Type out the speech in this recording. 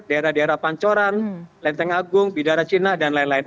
daerah daerah pancoran lenteng agung bidara cina dan lain lain